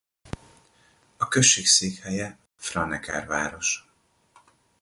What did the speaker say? A község székhelye Franeker város.